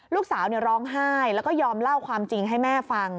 ลูกสาวร้องไห้แล้วก็ยอมเล่าความจริงให้แม่ฟัง